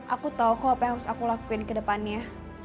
aku tahu kok apa yang harus aku lakuin ke depannya